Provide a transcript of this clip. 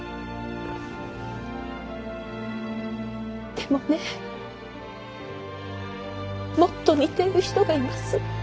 でもねもっと似ている人がいます。